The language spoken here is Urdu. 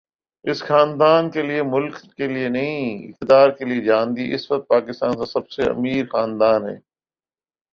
اس خاندان نے ملک کے لیے نہیں اقتدار کے لیے جان دی اس وقت پاکستان کا سب سے امیر خاندان ہے